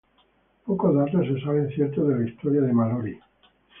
Pocos datos se saben ciertos de la historia de Malory.